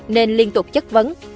nên liên tục chất vấn